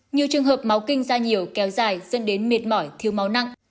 nhiều trường hợp máu kinh ra nhiều kéo dài dân đến miệt mỏi thiếu máu nặng